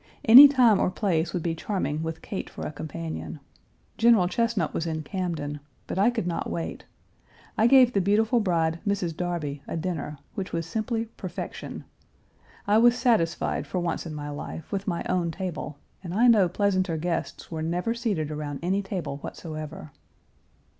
Any time or place would be charming with Kate for a companion. General Chesnut was in Camden; but I could not wait. I gave the beautiful bride, Mrs. Darby, a dinner, which was simply perfection. I was satisfied for once in my life with my own table, and I know pleasanter guests were never seated around any table whatsoever.